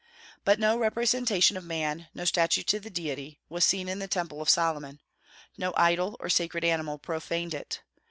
But no representation of man, no statue to the Deity, was seen in the Temple of Solomon; no idol or sacred animal profaned it.